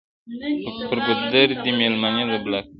پر ګودر دي مېلمنې د بلا سترګي،